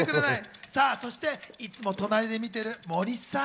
そして、いつも隣で見ている森さん。